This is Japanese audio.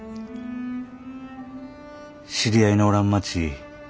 知り合いのおらん街